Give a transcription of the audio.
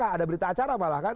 ada berita acara malah kan